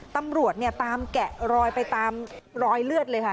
ตำรวจเนี่ยตามแกะรอยไปตามรอยเลือดเลยค่ะ